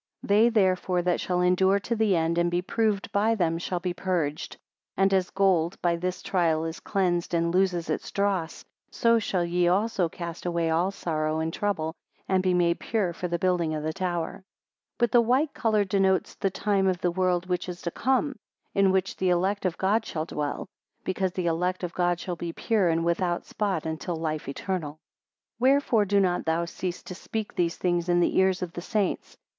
26 They therefore, that shall endure to the end, and be proved by them, shall be purged. And as gold, by this trial, is cleansed and loses its dross, so shall ye also cast away all sorrow and trouble, and be made pure for the building of the tower. 27 But the white colour denotes the time of the world which is to come, in which the elect of God shall dwell: because the elect of God shall be pure and without spot until life eternal. 28 Wherefore do not thou cease to speak these thing in the ears of the saints.